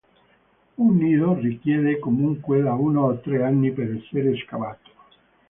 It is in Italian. Un nido richiede comunque da uno a tre anni per essere scavato.